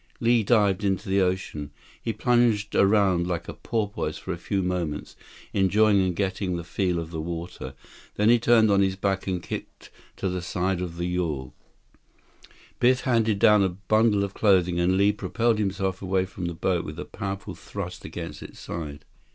Li dived into the ocean. He plunged around like a porpoise for a few moments, enjoying and getting the feel of the water. Then he turned on his back and kicked to the side of the yawl. Biff handed down a bundle of clothing, and Li propelled himself away from the boat with a powerful thrust against its side.